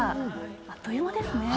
あっという間ですね。